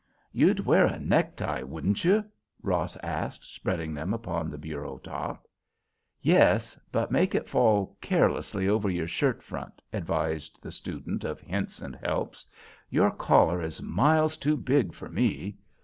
"You'd wear a necktie—wouldn't you?" Ross asked, spreading them upon the bureau top. "Yes. But make it fall carelessly over your shirt front," advised the student of Hints and Helps. "Your collar is miles too big for me.